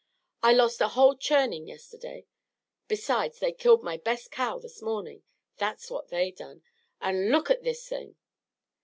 I lost a whole churnin' yesterday. Besides, they killed my best cow this mornin', that's what they done. And lookit this thing!"